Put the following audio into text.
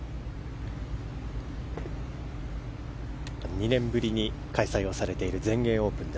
２年ぶりに開催をされている全英オープン。